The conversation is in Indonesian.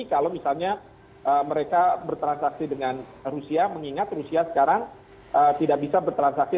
kalau misalnya mereka bertransaksi dengan rusia mengingat rusia sekarang tidak bisa bertransaksi